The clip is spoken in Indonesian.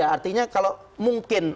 artinya kalau mungkin